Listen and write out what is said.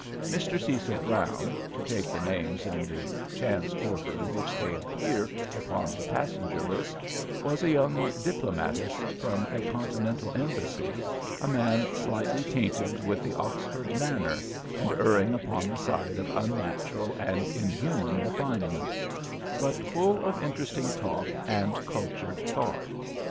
Mr. Cecil Brown to take the names in the chance order in which they appear upon the passenger list was a young diplomatist from a Continental Embassy, a man slightly tainted with the Oxford manner, and erring upon the side of unnatural and inhuman refinement, but full of interesting talk and cultured thought.